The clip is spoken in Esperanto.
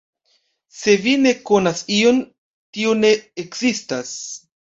Se vi ne konas ion, tio ne ekzistas.